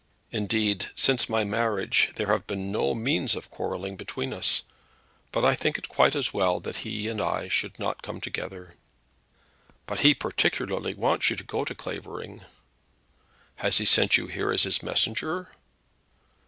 Indeed, since my marriage there have been no means of quarrelling between us. But I think it quite as well that he and I should not come together." "But he particularly wants you to go to Clavering." "Has he sent you here as his messenger?"